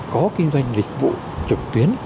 có kinh doanh lịch vụ trực tuyến